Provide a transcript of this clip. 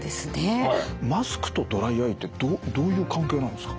マスクとドライアイってどういう関係なんですか？